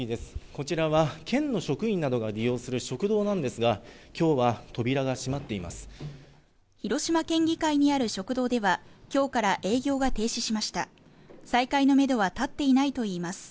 こちらは県の職員などが利用する食堂なんですが今日は扉が閉まっています広島県議会にある食堂では今日から営業が停止しました再開のめどは立っていないといいます